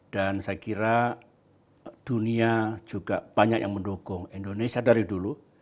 dan saya kira dunia juga banyak yang mendukung indonesia dari dulu